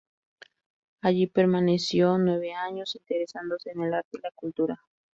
Allí permaneció nueve años, interesándose en el arte y la cultura.